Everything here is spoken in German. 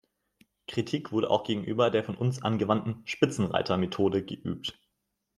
Kritik wurde auch gegenüber der von uns angewandten "Spitzenreiter"-Methode geübt.